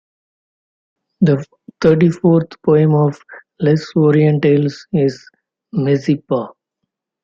The thirty-fourth poem of "Les Orientales" is "Mazeppa".